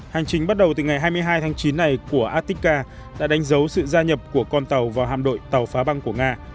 hành trình bắt đầu từ ngày hai mươi hai tháng chín này của atika đã đánh dấu sự gia nhập của con tàu vào hàm đội tàu phá băng của nga